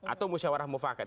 atau musyawarah mufakat